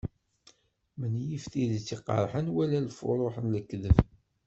Menyif tidet iqerḥen, wala lfuruḥ n lekdeb.